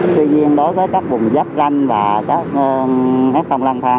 tuy nhiên đối với các vùng dắp ranh và các hét không lang thang